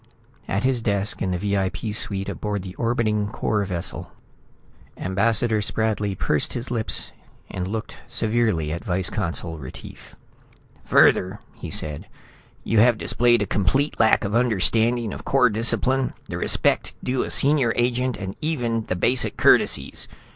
At his desk in the VIP suite aboard the orbiting Corps vessel, Ambassador Spradley pursed his lips and looked severely at Vice Consul Retief. "Further," he said, "you have displayed a complete lack of understanding of Corps discipline, the respect due a senior agent, even the basic courtesies.